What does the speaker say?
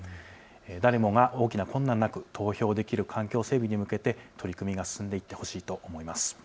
誰もが大きな困難なく投票できる環境整備に向けて取り組みが進んでいってほしいと思います。